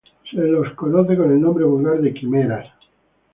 Se los conoce con el nombre vulgar de quimeras.